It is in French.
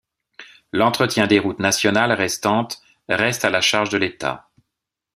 L'entretien des routes nationales restantes reste à la charge de l'État.